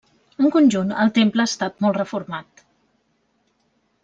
En conjunt el temple ha estat molt reformat.